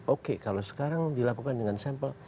oke kalau sekarang dilakukan dengan sampel